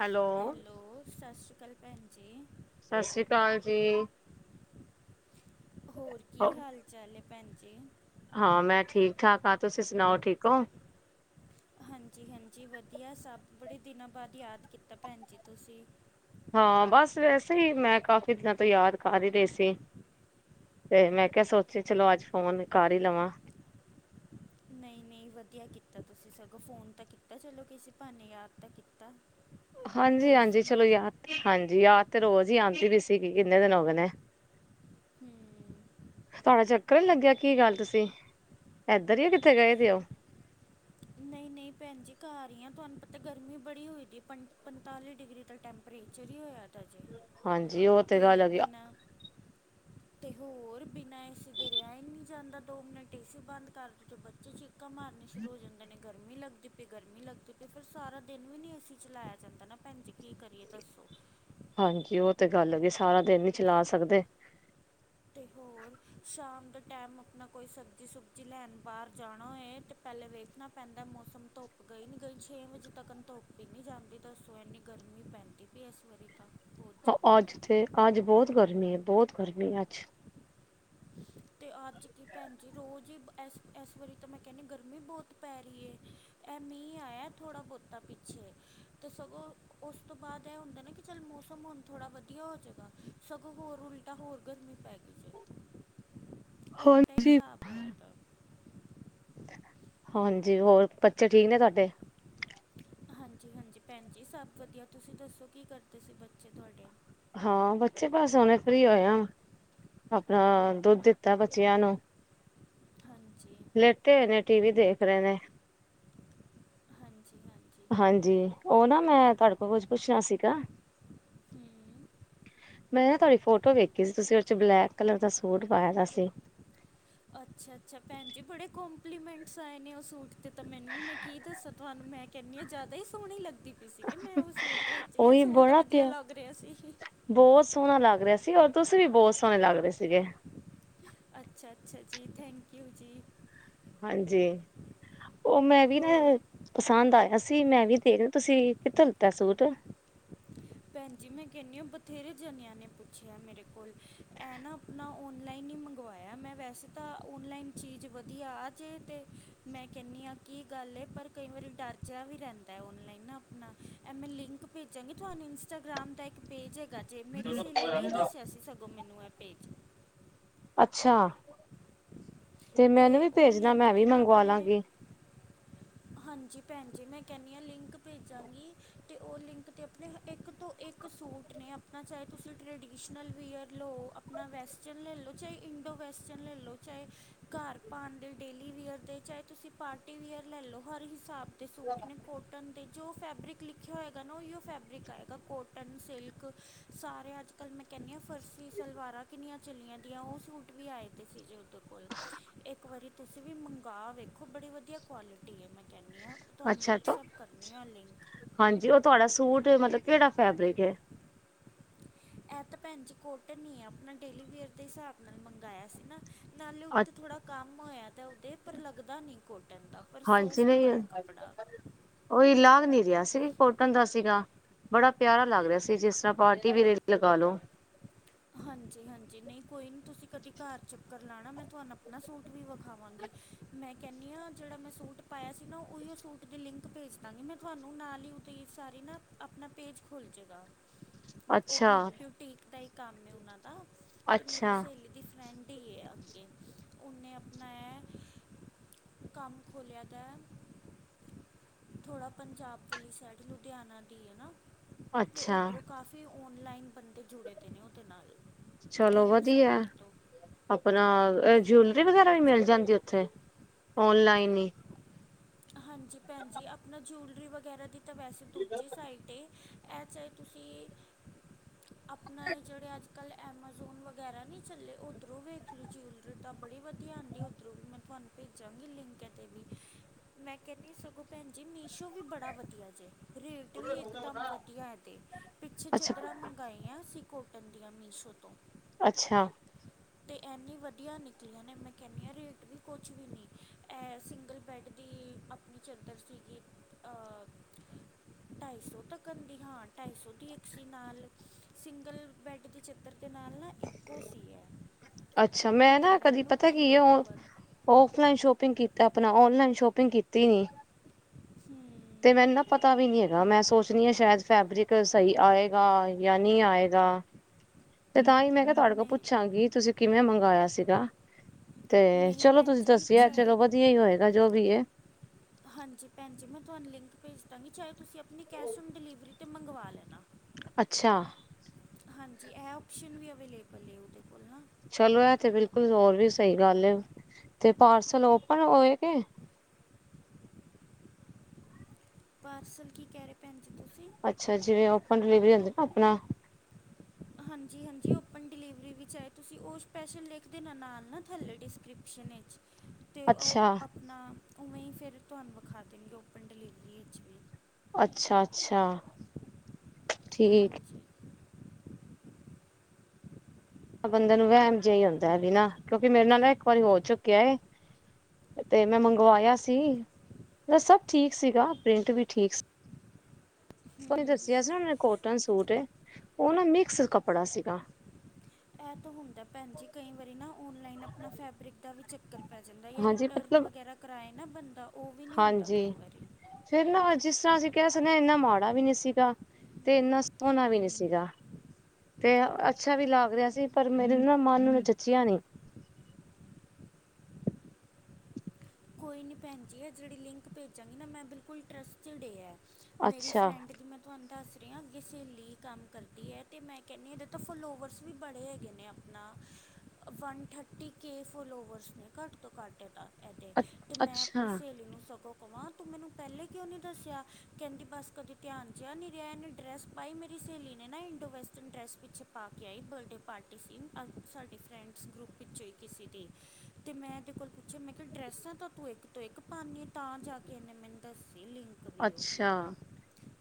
Hello hello! ਸਤਿ ਸ਼੍ਰੀ ਅਕਾਲ ਭੈਣ ਜੀ। ਸਤਿ ਸ੍ਰੀ ਅਕਾਲ ਜੀ। ਹੋਰ- ਹਾ- ਕਿ ਹਾਲ ਹੈ ਭੈਣ ਜੀ? ਹਾਂ, ਮੈਂ ਠੀਕ- ਠਾਕ ਹਾਂ। ਤੁਸੀ ਸੁਣਾਓ ਠੀਕ ਹੋ? ਹਾਂਜੀ- ਹਾਂਜੀ ਵਧੀਆ ਸਭ। ਬੜੇ ਦਿਨਾਂ ਬਾਅਦ ਯਾਦ ਕੀਤਾ ਭੈਣ ਜੀ ਤੁਸੀ। ਹਾਂ! ਬਸ ਵੈਸੇ ਹੀ, ਮੈ ਕਾਫ਼ੀ ਦਿਨਾਂ ਤੋਂ ਯਾਦ ਕਰ ਹੀ ਰਹੀ ਸੀ। ਤੇ ਮੈ ਕਿਹਾ ਸੋਚੀ ਚਲੋ ਅੱਜ ਫੋਨ ਕਰ ਹੀ ਲਵਾਂ- ਨਹੀ- ਨਹੀ ਵਧੀਆ ਕੀਤਾ ਤੁਸੀਂ ਸਗੋਂ ਫੋਨ ਤਾਂ ਕੀਤਾ, ਚਲੋ ਕਿਸੇ ਭਾਨੇ ਯਾਦ ਤਾਂ ਕੀਤਾ- ਹਾਂਜੀ- ਹੋਰ ਹਾਂਜੀ, ਚਲੋ ਸੁਣਾਓ ਯਾਦ ਹਾਂਜੀ ਯਾਦ ਤੇ ਰੋਜ਼ ਹੀ ਆਉਦੀ ਵੀ ਸੀਗੀ ਕਿਨੇ ਦਿਨ ਹੋ ਗਏ ਨੇ। ਹਮ [inaudible] ਤੁਹਾਡਾ ਚੱਕਰ ਨੀ ਲੱਗਿਆ ਕਿ ਗੱਲ ਤੁਸੀ। ਇੱਧਰ ਹੀ ਹੋ ਕਿਥੇ ਗਏ ਪੇ ਹੋ- ਨਹੀ- ਨਹੀ, ਭੈਣ ਜੀ ਘਰ ਹੀ ਹਾਂ। ਤੁਹਾਨੂੰ ਪਤਾ ਗਰਮੀ ਬੜੀ ਹੋਈ ਪਈ ਪੰ -ਪੰਤਾਲੀ ਡਿਗਰੀ ਤੱਕ ਟੈਂਪ- ਫਰੇਚਰ [unintelligible] ਹੀ ਹੋਇਆ ਤਾ ਜੇ ਹਾਂਜੀ ਉਹ ਤੇ ਗੱਲ ਹੈਗੀ ਬਿਨਾਂ ਤੇ ਹੋਰ, ਬਿਨਾ ਏ ਸੀ ਦੇ ਰਿਹਾ ਹੀ ਨਹੀ ਜਾਦਾ। ਦੋ ਮਿੰਟ ਏ ਸੀ ਬੰਦ ਕਰਦੇ ਬੱਚੇ ਚ- ਚੀਕਾਂ ਮਾਰਨੇ ਸ਼ੁਰੂ ਹੋ ਜਾਂਦੇ ਨੇ। ਗਰਮੀ ਲੱਗਦੀ ਪਈ, ਗਰਮੀ ਲੱਗਦੀ ਪਈ। ਫਿਰ ਸਾਰਾ ਦਿਨ ਵੀ ਨਹੀ ਏ ਸੀ ਚਲਾਇਆ ਜਾਦਾ ਨਾ ਭੈਣ ਜੀ ਕੀ ਕਰੀਏ ਦੱਸੋ- ਹਾਂਜੀ, ਉਹ ਤੇ ਗੱਲ ਸਾਰਾ ਦਿਨ ਨਈ ਚਲਾ ਸਕਦੇ। ਤੇ ਹਾਂ ਹੋਰ [inaudible] ਸ਼ਾਮ ਦੇ ਟਾਈਮ ਆਪਣਾ ਕੋਈ ਸਬਜ਼ੀ- ਸੁਬਜ਼ੀ ਲੈਣ ਬਾਹਰ ਜਾਣਾ ਹੋਏ ਤੇ- ਪਹਿਲੇ ਵੇਖਣਾ ਪੈਂਦਾ ਮੌਸਮ ਧੁੱਪ ਗਈ ਨਹੀ ਗਈ ਛੇ ਵਜੇ ਤੱਕਨ ਧੁੱਪ ਹੀ ਨਹੀ ਜਾਦੀ ਪਈ- ਤ ਇਨੀ ਗਰਮੀ ਪੈਂਦੀ ਫਿਰ ਇਸ ਵਾਰੀ- ਬਹੁਤ ਜ਼ਿਆਦਾ ਅੱਜ ਤੇ, ਅੱਜ ਬਹੁਤ ਗਰਮੀ ਏ, ਬਹੁਤ ਗਰਮੀ ਏ ਅੱਜ। ਤੇ ਅੱਜ ਕੀ ਭੈਣ ਜੀ ਰੋਜ਼ ਹੀ ਇਸ ਇਸ ਵਾਰੀ ਤਾਂ ਮੈਂ ਕੈਨੀ ਗਰਮੀ ਬਹੁਤ ਪੈ ਰਹੀ ਹੈ। ਇਹ ਮੀਂਹ ਆਇਆ ਥੋੜ੍ਹਾ -ਬਹੁਤਾ ਪਿੱਛੇ ਤਾਂ ਸਗੋਂ ਉਸ ਤੋਂ ਬਾਅਦ ਇਹ ਹੁੰਦਾ ਨਾ ਕਿ ਚੱਲ ਮੌਸਮ ਹੁਣ ਥੋੜ੍ਹਾ ਵਧੀਆ ਹੋ ਜਾਵੇਗਾ। ਸਗੋਂ ਹੋਰ ਉਲ ਉਟਾ ਹੋਰ ਗਰਮੀ ਪੈ ਗਈ ਜੇ, ਉਲਟਾ ਹੀ ਹਾਂਜੀ। ਹਿਸਾਬ ਹੋਇਆ। ਤਾਂ ਹਾਂਜੀ, ਹੋਰ ਬੱਚੇ ਠੀਕ ਨੇ ਤੁਹਾਡੇ? ਹਾਂਜੀ ਹਾਂ ਹਾਂਜੀ ਭੈਣ ਜੀ ਸਭ ਵਧੀਆ, ਤੁਸੀਂ ਦੱਸੋ ਕੀ ਕਰਦੇ ਸੀ ਬੱਚੇ ਤੁਹਾਡੇ? ਹਾਂ, ਬੱਚੇ ਪਾਸ ਹਉਣੇ ਫਰੀ ਹੋਇਆ। ਆਪਣਾ ਦੁੱਧ ਦਿੱਤਾ ਬੱਚਿਆਂ ਨੂੰ। ਹਾਂਜੀ ਲੇਟੇ ਹੋਏ ਨੇ, ਟੀ ਵੀ ਦੇਖ ਰਹੇ ਨੇ। ਹਾਂਜੀ, ਉਹ ਨਾ ਮੈਂ ਤੁਹਾਡੇ ਕੋਲ ਕੁਝ ਪੁੱਛਣਾ ਸੀਗਾ। ਹੂੰ ਮੈਂ ਨਾ ਤੁਹਾਡੀ ਫੋਟੋ ਵੇਖੀ ਸੀ, ਤੁਸੀਂ ਉਹਦੇ ਚ ਬਲੈਕ ਕਲਰ ਦਾ ਸੂਟ ਪਾਇਆ ਦਾ ਸੀ ਅੱਛਾ- ਅੱਛਾ, ਭੈਣ ਜੀ ਬੜੇ ਕੋਂਪਲੀਮੈਂਟਸ ਆਏ ਨੇ ਉਹ ਸੂਟ 'ਤੇ ਤਾਂ ਮੈਨੂੰ ਮੈਂ ਕੀ ਦੱਸਾਂ ਤੁਹਾਨੂੰ ਮੈਂ -ਕਿੰਨੀ ਜ਼ਿਆਦਾ ਹੀ ਸੋਹਣੀ ਲੱਗਦੀ ਪਈ ਸੀ ਕਿ ਮੈਂ ਉਹ ਸੂਟ ਵਿਚ ਜਾਂ ਉਹੀ ਸੂਟ ਬੜਾ ਵਧੀਆ ਪਿਆ ਲੱਗ ਰਿਹਾ ਸੀ। ਬਹੁਤ ਸੋਹਣਾ ਲੱਗ ਰਿਹਾ ਸੀ ਔਰ ਤੁਸੀਂ ਵੀ ਬਹੁਤ ਸੋਹਣੇ ਲੱਗ ਰਹੇ ਸੀਗੇ। ਅੱਛਾ- ਅੱਛਾ ਜੀ, ਥੈਂਕ ਯੂ ਜੀ। ਹਾਂਜੀ, ਉਹ ਮੈਂ ਵੀ ਨਾ ਹੋਰ ਪਸੰਦ ਆਇਆ ਸੀ ਮੈਂ ਵੀ ਦੇ ਰ, ਤੁਸੀਂ ਕਿੱਥੋਂ ਲਤਾ ਸੂਟ [inaudible] ਭੈਣ ਜੀ ਮੈਂ ਕਹਿੰਦੀ ਹ ਬਥੇਰੇ ਜਣਿਆਂ ਨੇ ਪੁੱਛਿਆ ਮੇਰੇ ਕੋਲ, ਐ ਨਾ ਨਾ ਔਨਲਾਈਨ ਹੀ ਮੰਗਵਾਇਆ, ਮੈਂ ਵੈਸੇ ਤਾਂ ਔਨਲਾਈਨ ਚੀਜ਼ ਵਧੀਆ ਆ ਜੇ ਤੇ ਮੈਂ ਕਹਿੰਦੀ ਹਾਂ ਕੀ ਗੱਲ ਏ, ਪਰ ਕਈ ਵਾਰੀ ਡਰ ਜਿਹਾ ਵੀ ਰਹਿੰਦਾ ਔਨਲਾਈਨ ਨਾ ਆਪਣਾ ਐ ਮੈਂ ਲਿੰਕ ਭੇਜਾਂਗੀ ਤੁਹਾਨੂੰ ਇੰਸਟਾਗ੍ਰਾਮ ਦਾ ਇੱਕ ਪੇਜ ਹੈਗਾ ਜੇ, ਮੇਰੀ ਸਹੇਲੀ ਨੇ ਦੱਸਿਆ ਸੀ ਸਗੋਂ ਮੈਨੂੰ ਇਹ ਪੇਜ ਅੱਛਾ, ਤੇ ਮੈਨੂੰ ਵੀ ਉਹ ਭੇਜਣਾ, ਲਿੰਕ ਮੈਂ ਵੀ ਤੇ ਨਾ ਮੰਗਵਾ ਆਪਣੇ ਲਾਂਗੀ ਹਾਂਜੀ ਭੈਣ ਜੀ, ਮੈਂ ਕਹਿੰਦੀ ਹਾਂ ਲਿੰਕ ਭੇਜਾਂਗੀ ਤੇ ਉਹ ਲਿੰਕ 'ਤੇ ਆਪਣੇ, ਇੱਕ ਤੋਂ ਇੱਕ ਸੂਟ ਨੇ ਆਪਣਾ ਚਾਹੇ ਤੁਸੀਂ ਟਰਡੀਸ਼ਨਲ ਵੀਅਰ ਲਓ ਨਾ ਵੈਸਟਰਨ ਲੈ ਲਓ, ਚਾਹੇ ਇੰਡੋ ਵੈਸਟਰਨ ਲੈ ਲਓ ਚਾਹੇ ਘਰ ਪਾਉਣ ਦੇ ਡੇਲੀ ਵੀੇਅਰ ਦੇ ਚਾਹੇ ਤੁਸੀਂ ਪਾਰਟੀ ਵੀੇਅਰ ਲੈ ਲਓ, ਹਰ ਹਿਸਾਬ ਦੇ ਸੂਟ ਨੇ, ਕੋਟਨ ਦੇ ਜੋ ਫੈਬਰਿਕ ਲਿਖਿਆ ਹੋਏਗਾ ਨਾ ਉਹੀਓ ਫੈਬਰਿਕ ਆਏਗਾ ਕੋਟਨ ਸਿਲਕ ਸਾਰੇ ਅੱਜ ਕੱਲ੍ਹ ਮੈਂ ਕਹਿੰਦੀ ਹਾਂ ਫਰਸੀ ਸਲਵਾਰਾਂ ਕਿੰਨੀਆਂ ਚੱਲੀਆਂ ਦੀਆਂ ਉਹ ਸੂਟ ਵੀ ਆਏ ਦੇ ਸੀ ਜੇ ਉਧਰ ਕੋਲ ਇੱਕ ਵਾਰੀ ਤੁਸੀਂ ਵੀ ਮੰਗਾਵਾ ਵੇਖੋ, ਬੜੀ ਵਧੀਆ ਕੁਆਲਿਟੀ ਹੈ ਮ ਕਹਿੰਦੀ ਹਾਂ, ਤੁਹਾਨੂੰ ਅੱਛਾ ਤੋਂ ਵਟਸਐਪ ਕਰਨੀ ਹਾਂ ਲਿੰਕ ਹਾਂਜੀ ਉਹ ਤੁਹਾਡਾ ਸੂਟ, ਮਤਲਬ ਕਿਹੜਾ ਫੈਬਰਿਕ ਹੈ ਇਹ ਤਾਂ ਭੈਣ ਜੀ ਕੋਟਨ ਨੀ, ਆਪਣਾ ਡੇਲੀ ਵੇਅਰ ਦੇ ਹਿਸਾਬ ਨਾਲ ਮੰਗਾਇਆ ਸੀ ਨਾ ਨਾਲੇ ਉੱਥਤੇ ਥੋੜ੍ਹਾ ਕੰਮ ਹੋਇਆ, ਤਾਂ ਉਹਦੇ ਪਰ ਲੱਗਦਾ ਨਹੀਂ, ਕਾਟਨ ਦਾ, ਪਰ ਹਾਂਜੀ ਸੋਫਟ ਨਹੀਂ ਬੜਾ ਕੱਪੜਾ ਉਹੀ ਲਾਗ ਨਹੀਂ ਰਿਹਾ ਸੀ, ਕੋਟਣ ਦਾ ਸੀਗਾ ਬੜਾ ਪਿਆਰਾ ਲੱਗ ਰਿਹਾ ਸੀ, ਜਿਸ ਤਰ੍ਹਾਂ ਪਾਰਟੀ ਵੀ ਲਗਾ ਲੋ ਹਾਂਜੀ- ਹਾਂਜੀ, ਨਹੀਂ ਕੋਈ ਨਹੀਂ ਤੁਸੀਂ ਕਦੇ ਘਰ ਚੱਕਰ ਲਾਉਣਾ ਮੈਂ ਤੁਹਾਨੂੰ ਆਪਣਾ ਸੂਟ ਵੀ ਵਿਖਾਵਾਂਗੀ ਮੈਂ ਕਹਿੰਦੀ ਹਾਂ, ਜਿਹੜਾ ਮੈਂ ਸੂਟ ਪਾਇਆ ਸੀ ਨਾ, ਉਹੀਓ ਸੂਟ ਦੀ ਲਿੰਕ ਭੇਜ ਦਾਂਗੀ ਮੈਂ ਤੁਹਾਨੂੰ ਨਾਲ ਹੀ ਉਤੇ ਸਾਰੀ ਨਾ, ਆਪਣਾ ਪੇਜ ਖੁੱਲ੍ਹ ਜਾਵੇਗਾ ਉਹ ਅੱਛਾ ਬ ਬਿਊਟੀਕ ਦਾ ਹੀ ਕੰਮ ਹੈ ਉਹਨਾਂ ਦਾ, ਤੇ ਮੇਰੀ ਅੱਛਾ ਸਹੇਲੀ ਦੀ ਫਰੈਂਡ ਟੀਏ ਅੱਗੇ, ਉਹਨੇ ਆਪਣਾਇਆ ਕੰਮ ਖੋਲ੍ਹਿਆ ਦਾ ਥੋੜਾ ਪੰਜਾਬ ਵਾਲ ਸਾਈਡ, ਲੁਧਿਆਣਾ ਦੀ ਹੈ ਨਾ ਤੇ ਅੱਛਾ ਉਧਰੋਂ ਕਾਫ਼ੀ ਔਨਲਾਈਨ ਬੰਦੇ ਜੁੜੇ ਦੇ ਨੇ ਉਹਦੇ ਨਾਲ ਚਲੋ ਇਹੀਓ ਵਧੀਆ, ਸਾਈਟ ਤੋਂ ਆਪਣਾ, ਇਹ ਅਤੇ ਜੂਲਰੀ ਹੋਰ ਵਗੈਰਾ ਵੀ ਭੈਣ ਮਿਲ ਜੀ ਜਾਂਦੀ ਉਥੇ ਥੇ, ਓਨਲਾਈਨ ਹੀ ਹਾਂਜੀ ਭੈਣ ਜੀ। ਆਪਣਾ ਜਊਲਰੀ ਵਗੈਰਾ ਦੀ ਤਾਂ ਵੈਸੇ ਦੂਜੀ ਸਾਈਡ ਏ। ਇਹ ਚਾਹੇ ਤੁਸੀਂ, ਆਪਣਾ ਜਿਹੜੇ ਅੱਜ [inaudible] ਅਮਾਜ਼ੋਨ ਵਗੈਰਾ ਨਹੀਂ ਚੱਲੇ। ਉੱਧਰੋਂ ਵੇਖ ਲਓ। ਜੂਲਰੀ ਤਾਂ ਬੜੀ ਵਧੀਆ ਆਉਂਦੀ ਉੱਧਰੋਂ ਵੀ। ਮੈਂ ਤੁਹਾਨੂੰ ਭੇਜਾਂਗੀ ਲਿੰਕ 'ਤੇ ਵੀ ਮੈਂ ਕਹਿੰਦੀ ਸਗੋਂ, ਭੈਣ ਜੀ ਮੀਸ਼ੋ ਵੀ ਬੜਾ ਵਧੀਆ ਜੇ। ਰੇਟ ਵੀ ਇੱਕਦਮ ਵਧੀਆ ਤੇ, ਪਿੱਛੇ ਅੱਛਾ ਚਦਰਾ ਮੰਗਾਈ ਮੰਗਾਈਆਂ ਸੀ ਕੋਟਨ ਦੀਆਂ, ਮੀਸ਼ੋ ਤੋਂ ਅੱਛਾ ਇੰਨੀ ਵਧੀਆ ਨਿਕਲੀਆਂ ਨੇ। ਮੈਂ ਕਹਿੰਦੀ ਹਾਂ। ਰੇਟ ਵੀ ਕੁਛ ਵੀ ਨਹੀਂ, ਇਹ ਸਿੰਗਲ ਬੈੱਡ ਦੀ, ਆਪਣੀ ਚੰਦਰ ਸੀਗੀ, ਅ ਢਾਈ ਸੌ ਤੱਕਦੀ ਹਾਂ। ਢਾਈ ਸੌ ਦੀ ਐਕਸੀ ਨਾਲ ਸਿੰਗਲ ਬੈਡ ਦੀ ਚਦਰ ਦੇ ਨਾਲ ਇੱਕੋ ਸੀ ਏ। ਅੱਛਾ ਕੀ ਮੈਂ ਨਾ ਕਹਿੰਦੇ ਨੇ, ਕਦੀ ਇਹਨੂੰ ਪਤਾ ਕੀ ਪਿਲੋ ਹੈ ਕਵਰ ਔਫਲਾਈਨ ਸ਼ੋਪਿੰਗ ਕੀਤਾ ਆਪਣਾ, ਔਨਲਾਈਨ ਸ਼ੋਪਿੰਗ ਕੀਤੀ ਨੀ ਹਮ ਤੇ ਮੈਨੂੰ ਨਾ ਪਤਾ ਵੀ ਨਹੀਂ ਹੈਗਾ। ਮੈਂ ਸੋਚਣੀ ਹਾਂ। ਸ਼ਾਇਦ ਫੈਬਰਿਕ ਸਹੀ ਆਏਗਾ ਜਾਂ ਨਹੀਂ ਆਏਗਾ। ਤੇ ਤਾਂ ਹੀ ਮੈਂ ਕਿਹਾ ਤੁਹਾਡੇ ਕੋਲ ਨਹੀਂ ਪੁੱਛਾਂਗੀ। ਤੁਸੀਂ ਕਿਵੇਂ ਮੰਗਵਾਆ ਸੀਗਾ। ਤੇ, ਨਹੀਂ ਚਲੋ ਭੈਣ ਤੁਸੀਂ ਜੀ ਦੱਸਇਆ, ਚਾਹੇ ਚਲੋ ਵਧੀਆ ਹੀ ਹੋਏਗਾ, ਜੋ ਵੀ ਏ ਹਾਂਜੀ ਭੈਣ ਜੀ। ਮੈਂ ਤੁਹਾਨੂੰ ਲਿੰਕ ਭੇਜ ਦਾਂਗੀ। ਚਾਹੇ। ਤੁਸੀਂ ਆਪਣੀ ਕੈਸ਼ ਔਨ ਡਿਲੀਵਰੀ 'ਤੇ ਮੰਗਵਾ ਲੈਣਾ। ਅੱਛਾ ਹਾਂਜੀ। ਇਹ ਓਪਸ਼ਨ ਵੀ ਅਵੇਲੇਬਲ ਹੈ। ਉਹਦੇ ਕੋਲ ਨਾ ਚਲੋ, ਇਹ ਤੇ ਬਿਲਕੁਲ ਹੋਰ ਵੀ ਸਹੀ ਗੱਲ ਹੈ। ਤੇ ਪਾਰਸਲ ਓਪਨ ਹੋਏ ਗਏ। ਪਾਰਸਲ, ਕੀ ਕਹਿ ਰਹੇ ਭੈਣ ਜੀ ਤੁਸੀਂ। ਅੱਛਾ। ਜਿਵੇਂ ਓਪਨ ਡਿਲੀਵਰੀ ਹੁੰਦੀ ਨਾ ਆਪਣਾ ਹਾਂਜੀ-ਹਾਂਜੀ। ਓਪਨ ਡਿਲੀਵਰੀ ਵਿੱਚ ਆਏ। ਤੁਸੀਂ ਉਹ ਸਪੈਸ਼ਲ ਲਿਖ ਦੇ ਨਾਲ-ਨਾਲ ਨਾ ਥੱਲੇ ਡਿਸਕ੍ਰਿਪਸ਼ਨ ਵਿੱਚ ਤੇ ਉਹ ਅੱਛਾ ਆਪਣਾ, ਉਵੇਂ ਹੀ ਫਿਰ ਤੁਹਾਨੂੰ ਵਿਖਾ ਦੇਣਗੇ ਓਪਨ ਡਿਲੀਵਰੀ ਵਿੱਚ ਵੀ ਅੱਛਾ-ਅੱਛਾ। ਠੀਕ [inaudible] ਬੰਦੇ ਨੂੰ ਵਹਿਮ ਜਿਹਾ ਹੀ ਹੁੰਦਾ ਹੈ ਵੀ ਨਾ, ਕਿਉਂਕਿ ਮੇਰੇ ਨਾਲ ਨਾ ਇੱਕ ਵਾਰੀ ਹੋ ਚੁੱਕਿਆ। ਤੇ ਮੈਂ ਮੰਗਵਾਇਆ ਸੀ। ਮ ਸਭ ਠੀਕ ਸੀਗਾ, ਪ੍ਰਿੰਟ ਵੀ ਠੀਕ ਸੀ। ਤੁਸੀਂ ਹੂੰ ਦੱਸਿਆ ਸੀ ਨਾ। ਮ ਕੋਟਨ ਸੂਟ, ਉਹ ਨਾ ਮਿਕਸ ਕੱਪੜਾ ਸੀਗਾ। ਇਹ ਤਾਂ ਹੁੰਦਾ ਭੈਣ ਜੀ ਕਈ ਵਾਰੀ ਨਾ ਔਨਲਾਈਨ ਆਪਣਾ ਫੈਬਰਿਕ ਦਾ ਵੀ 'ਚ ਚਕਰ ਪੈ ਜਾਂਦਾ, ਜਾਂ ਹਾਂਜੀ ਰਿਟਰਨ ਮਤਲਬ ਵਗੈਰਾ ਕਰਾਏ ਨਾ ਬੰਦਾ ਉਹ ਵੀ ਨਹੀਂ ਹੁੰਦਾ ਕਈ ਵਾਰੀ ਫੇਰ ਨਾ ਜਿਸ ਤਰ੍ਹਾਂ ਅਸੀਂ ਕਹਿ ਸਕਦੇ ਹਾਂ। ਇੰਨਾ ਮਾੜਾ ਵੀ ਨਹੀਂ ਸੀਗਾ। ਤੇ ਇੰਨਾ ਸੋਣਾ ਵੀ ਨਹੀ ਹੂੰ ਸੀਗਾ। ਤੇ ਅੱਛਾ ਵੀ ਲੱਗ ਰਿਹਾ ਸੀ। ਪਰ ਮੇਰੇ ਨਾ, ਮਨ ਨੂੰ ਚੱਚਿਆ ਨਹੀਂ। ਕੋਈ ਨਹੀਂ ਭੈਣ ਜੀ, ਹੈ ਜਿਹੜੀ ਲਿੰਕ ਭੇਜਾਂਗੀ ਨਾ। ਮੈਂ ਬਿਲਕੁਲ ਟਰੱਸਟਡ ਹੈ। ਮੇਰੀ ਅੱਛਾ, ਫਰੈਂਡ ਜਿਵੇ ਤੁਹਾਨੂੰ ਦੱਸ ਰਹੇ ਹਾਂ। ਅੱਗੇ ਸਹੇਲੀ ਕੰਮ ਕਰਦੀ ਹੈ। ਤੇ ਮੈਂ ਕਹਿੰਦੀ ਹਾਂ। ਇਹਦੇ ਤਾਂ ਫੋਲੋਵਰਸ ਵੀ ਬੜੇ ਹੈਗੇ ਨੇ ਆਪਣਾ ਵਨ ਥਰਟੀ ਕੇ ਫੋਲੋਵਰਸ ਨੇ, ਘੱਟ ਤੋਂ ਘੱਟ ਇਹਦੇ ਅ ਤੇ ਮੈਂ ਅੱਛਾ, ਆਪਣੀ ਸਹੇਲੀ ਨੂੰ ਸਗੋਂ ਕਵਾਂ, ਤੂੰ ਮੈਨੂੰ ਪਹਿਲੇ ਕਿਉਂ ਨੀ ਦੱਸਿਆ। ਕਹਿੰਦੀ ਬੱਸ ਕਦੇ ਧਿਆਨ ਚਿਹਾ ਨਹੀ ਰਿਹਾ। ਇਹਨੇ ਡਰੈਸ ਬਾਈ ਮੇਰੀ ਸਹੇਲੀ ਨੇ ਨਾ ਇੰਡੋ ਵੈਸਟਰਨ ਡਰੈੱਸ ਪਿੱਛੇ ਪਾ ਕੇ ਆਈ, ਬਰਡੇ ਪਾਰਟੀ ਸੀ, ਅ ਸਾਡੇ ਫਰੈਂਡਸ ਗਰੁੱਪ ਪਿੱਛੇ ਕਿਸੀ ਦੀ, ਤੇ ਮੈਂ ਇਹਦੇ ਕੋਲ ਪੁਛਿਆ ਕਿ ਡ੍ਰੈੱਸ ਦੱਸਾਂ ਤਾਂ ਤੂੰ ਇੱਕ ਤੋਂ ਇੱਕ ਪਾਉਂਦੀ, ਤਾਂ ਜਾ ਕੇ ਇਹਨੇ ਮੈਨੂੰ ਦੱਸੀ ਲਿੰਕ ਵੀ ਉਹ ਅੱਛਾ।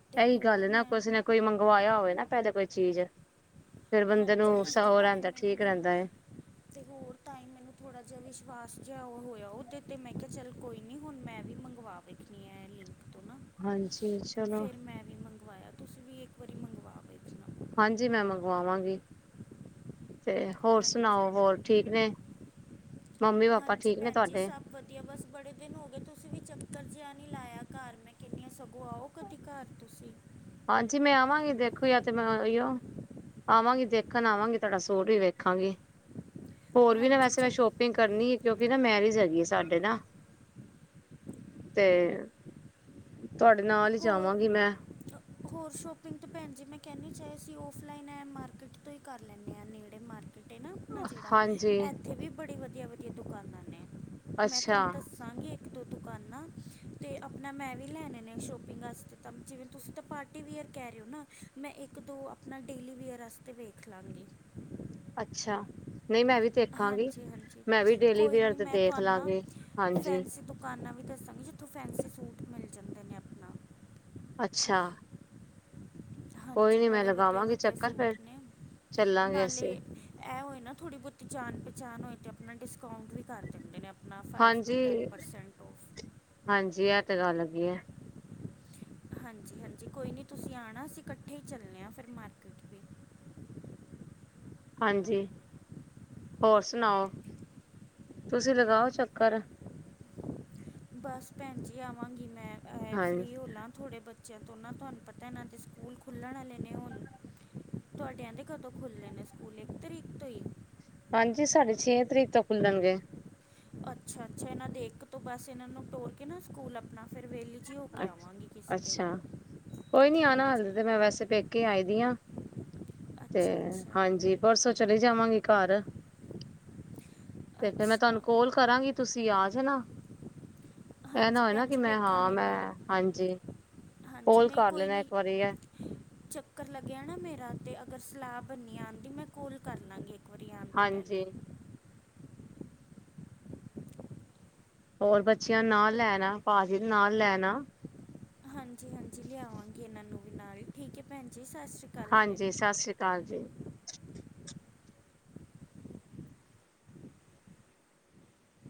ਅਤੇ ਇਹੀ ਹੋਰ ਗੱਲ ਨਾ, ਮੈਂ ਕੁ ਨੇ ਕੋਈ ਮੰਗਵਾਇਆ ਹੋਵੇ ਨਾ ਪਹਿਲੇ ਕੋਈ ਚੀਜ਼, ਫੇਰ ਬੰਦੇ ਹਾਂਜੀ ਨੂੰ ਸ ਹਾਂਜੀ ਉਹ ਤਾਂ ਹੀ ਰਹਿੰਦਾ ਮੈਨੂੰ ਠੀਕ ਵੀ ਰਹਿੰਦਾ। ਤੇ ਹੋਰ ਤਾਂ ਹੀ ਮੈਨੂੰ ਥੋੜਾ ਜਿਹਾ ਵਿਸ਼ਵਾਸ ਜਿਹਾ ਹੋਇਆ ਉਹਦੇ ਤੇ ਮੈਂ ਕਿਹਾ ਚੱਲ ਕੋਈ, ਨਹੀਂ, ਹੁਣ ਮੈਂ ਵੀ ਮੰਗਵਾ ਵੇਖਣੀ ਹੈ ਇਹ ਲਿੰਕ, ਤੋਂ ਨਾ, ਹਾਂਜੀ ਚਲੋ ਫਿਰ ਮੈਂ ਵੀ ਮੰਗਵਾਇਆ, ਤੁਸੀਂ ਵੀ ਇੱਕ ਵਾਰੀ ਮੰਗਵਾ ਵੇਚਣਾ, ਹਾਂਜੀ, ਮੈਂ ਮੰਗਵਾਵਾਂਗੀ, [inaudible] ਤੇ ਹੋਰ ਹਾਂਜੀ ਸੁਣਾਓ ਹੋਰ ਠੀਕ ਨੇ, ਮੰਮੀ- ਪਾਪਾ ਹਾਂਜੀ ਠੀਕ ਨੇ ਭੈਣ ਜੀ ਤੁਹਾਡੇ, ਸਭ ਵਧੀਆ ਬਸ ਬੜੇ ਦਿਨ ਹੋ ਗਏ ਤੁਸੀਂ ਵੀ ਚੱਕਰ ਜਿਹਾ ਨਹੀਂ ਲਇਆ ਘਰ, ਮੈਂ ਕਿਹਨੀਆਂ ਸਗੋਂ ਆਓ ਕਦੀ ਘਰ ਤੁਸੀਂ। ਹਾਂਜੀ, ਮੈਂ ਆਵਾਂਗੀ ਦੇਖੋ ਜਾ ਤੇ ਮੈਂਈ ਆ, ਆਵਾਂਗੀ ਦੇਖਣ, ਆਵਾਂਗੀ ਤੁਹਾਡਾ ਸੂਟ ਵੀ ਵੇਖਾਂਗੀ ਹੋਰ ਵੀ ਨਾ ਹਾਂਜੀ ਵੈਸੇ ਮੈਂ ਚੱਕ ਸ਼ੋਪ, ਸੋਪਿੰਗ ਕਰਨੀ ਹੈ ਕਿਉਂਕਿ ਨਾ ਮੈਰਿਜ ਹੈਗੀ ਹੈ ਸਾਡੇ ਨਾ, ਤੇ ਤੁਹਾਡੇ ਨਾਲ ਹੀ ਹੋਰ ਜਾਵਾਂਗੀ ਮੈਂ, ਹੋਰ ਸ਼ੋਪਿੰਗ ਤਾਂ ਭੈਣ ਜੀ ਮੈਂ ਕਹਿੰਦੀ ਚਾਹੇ ਅਸੀਂ ਔਫਲਾਈਨ ਐ ਮਾਰਕੀਟ ਤੋਂ ਹੀ ਕਰ ਲੈਂਦੇ ਹਾਂ ਨੇੜੇ ਮਾਰਕੀਟ ਮਾਰਕੀਟ ਹੈ ਨਾ ਹਾਂਜੀ ਜਿਹੜਾ ਇੱਥੇ ਵੀ ਬੜੀ ਵਧੀਆ, ਵਧੀਆ ਦੁਕਾਨਾਂ ਨੇ ਮੈਂ ਅੱਛਾ ਤੁਹਾਨੂੰ ਦੱਸ। ਤਾ ਕਿ ਇੱਕ ਦੋ ਦੁਕਾਨਾਂ ਤੇ ਆਪਣਾ ਮੈਂ ਵੀ ਲੈਣੇ ਨੇ ਸੂਟ। ਪਿੰਗ ਵਾਸਤੇ ਤਾਂ ਜਿਵੇਂ ਤੁਸੀਂ ਤਾਂ ਪਾਰਟੀ ਵੀਅਰ ਕਹਿ ਰਹੇ ਹੋ ਨਾ, ਮੈਂ ਇੱਕ ਦੋ ਆਪਣਾ ਡੇਲੀ ਵੀਅਰ ਵਾਸਤੇ ਵੇਖ। ਖਲਾ ਵਲੀ ਅੱਛਾ ਨਹੀਂ ਮੈਂ ਵੀ ਦੇਖਾਂਗੀ ਹਾਂਜੀ ਹਾਂਜੀ ਮੈਂ ਵੀ ਡੇਲੀ ਕੋਈ ਵੇਅਰ ਨਹੀਂ ਤੇ ਮੈਂ ਦੇਖ ਤੁਹਾਨੂੰ ਨਾ ਲਾਂਗੀ ਹਾਂਜੀ, ਫੈਂਸੀ ਦੁਕਾਨਾਂ ਵੀ ਦੱਸਾਂਗੇ ਜਿੱਥੋਂ ਫੈਂਸੀ ਸੂਟ ਮਿਲ ਜਾਂਦੇ ਨੇ ਆਪਣਾ [unintelligible] ਅੱਛਾ, [unintelligible] ਕੋਈ ਹਾਂਜੀ ਨੀ ਮੈਂ ਬੜੇ ਵਧੀਆ ਲਗਾਵਾਂਗੀ ਵਧੀਆ ਚੱਕਰ ਸੂਟ ਫੇਰ ਨੇ ਚੱਲਾਂਗੇ ਨਾਲੇ, ਅਸੀਂ ਇਹ ਹੋਏ ਨਾ ਥੋੜ੍ਹੀ ਬਹੁਤੀ ਜਾਣ ਪਹਿਚਾਣ ਹੋਏ ਅਤੇ ਆਪਣਾ ਡਿਸਕਾਊਂਟ ਵੀ ਕਰ ਦਿੰਦੇ ਨੇ ਆਪ, ਹਾਂਜੀ, ਹਾਂਜੀ ਇਹ ਤੇ ਗੱਲ ਹੈਗੀ ਹੈ, [unintelligible] [inaudible] ਹਾਂਜੀ, ਹਾਂਜੀ ਕੋਈ ਨਹੀਂ ਤੁਸੀਂ ਆਉਣਾ ਅਸੀਂ ਇਕੱਠੇ ਹੀ ਚੱਲੇ ਹਾਂ ਫਿਰ ਮਾਰਕੀਟ, [inaudible] ਹਾਂਜੀ ਹੋਰ ਸੁਣਾਓ ਤੁਸੀਂ ਲਗਾਓ ਚੱਕਰ, ਬਸ ਭੈਣ ਜੀ ਆਵਾਂਗੀ ਮੈਂ ਆਏ ਹਾਂਜੀ ਫ੍ਰੀ ਲਾ ਥੋੜੇੇ, ਬੱਚਿਆਂ ਤੋਂ ਨਾਂ ਤੁਹਾਨੂੰ ਪਤਾ ਨਾ ਦੇ ਸਕੂਲ ਖੁੱਲਣ ਵਾਲੇ ਨੇ ਹੁਣ ਤੁਹਾਡੇਆ ਦੇ ਕਦੋਂ ਖੁੱਲ੍ਹੇ ਨੇ ਸਕੂਲ ਇੱਕ ਤਰੀਕ ਤੋਂ ਹੀ, ਹਾਂਜੀ, ਸਾਡੇ ਛੇ ਤਰੀਕ ਤੋਂ ਖੁੱਲਣਗੇ, ਅੱਛਾ, ਅੱਛਾ ਇਹਨਾਂ ਦੇ ਇਕ ਤੋਂ ਬਸ ਇਹਨਾਂ ਨੂੰ ਤੋਰ ਕੇ ਨਾ ਸਕੂਲ ਆਪਣਾ, ਫਿਰ ਵਿਹਲੀ ਜੇ ਹੋ ਕੇ ਅੱਛ ਆਵਾਂਗੀ ਕਿਸੇ ਦਿਨ ਅੱਛਾ ਕੋਈ ਨਹੀਂ ਆਉਣਾ ਹਾਂਜੀ ਹਜੇ ਤਾਂ ਮੈਂ ਵੈਸੇ ਪੇਕੇ ਕੇ ਆਈ ਦੀ ਹਾਂ। ਤੇ ਅੱਛਾ ਅੱਛਾ ਹਾਂਜੀ ਪਰਸੋਂ ਚਲੀ ਜਾਵਾਂਗੀ ਘਰ, [inaudible] ਤੇ ਫੇਰ ਮੈਂ ਤੁਹਾਨੂੰ ਕੋਲ ਕਰਾਂਗੀ ਤੁਸੀਂ ਆ ਜਾਣਾ, [inaudible] ਇਹ ਨਾ ਹਾਂਜੀ ਹੋਏ ਨਾ ਕਿ ਮੈਂ ਹਾਂ, ਮੈਂ ਹਾਂਜੀ, ਹਾਂ ਕੋਲ ਕਰ ਲੈਣਾ ਇੱਕ ਵਾਰੀ ਹੈ, ਚੱਕਰ ਲੱਗਿਆ ਨਾ ਮੇਰਾ ਅਤੇ ਅਗਰ ਸਲਾਹ ਬਨੀ ਆਉਣ ਦੀ, ਮੈਂ ਕੋਲ ਕਰ ਲਾਂਗੀ ਇੱਕ ਵਾਰੀ ਆਉਣ ਤੋਂ ਹਾਂਜੀ, [inaudible] ਹੋਰ ਬੱਚਿਆਂ ਨਾਲ ਲੈਣਾ ਭਾਜੀ ਨਾਲ ਲੈਣਾ, ਹ [unintelligible] [unintelligible] ਹਾਂਜੀ, ਹਾਂਜੀ ਲਿਆਵਾਂਗੇ ਇਹਨਾਂ ਨੂੰ ਵੀ ਨਾਲ ਹੀ ਠੀਕ ਹੈ ਭੈਣ ਜੀ ਸਤਿ ਸ਼੍ਰੀ ਅਕਾਲ, ਫਿਰ ਹਾਂਜੀ ਸਤਿ ਸ਼੍ਰੀ ਅਕਾਲ ਜੀ,